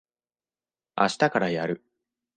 あしたからやる。